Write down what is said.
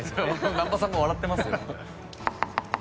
難波さんが笑ってますよ。